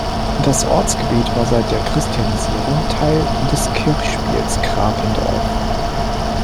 Das Ortsgebiet war seit der Christianisierung Teil des Kirchspiels Krapendorf.